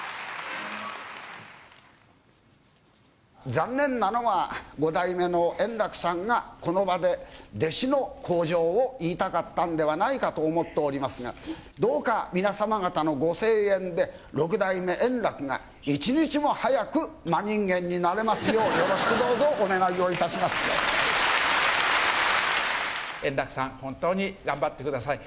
残念なのは、五代目の圓楽さんが、この場で弟子の口上を言いたかったんではないかと思っておりますが、どうか皆様方のご声援で、六代目円楽が一日も早く真人間になれますよう、よろしくどうぞお円楽さん、本当に頑張ってください。